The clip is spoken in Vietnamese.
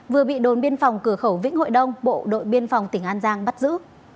vừa bị đồn biên phòng cửa khẩu vĩnh hội đông bộ đội biên phòng tỉnh an giang bắt giữ